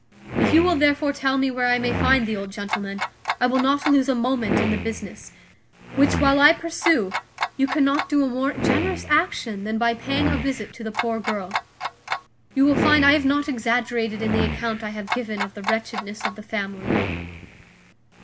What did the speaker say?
If you will therefore tell me where I may find the old gentleman, I will not lose a moment in the business; which, while I pursue, you cannot do a more generous action than by paying a visit to the poor girl. You will find I have not exaggerated in the account I have given of the wretchedness of the family."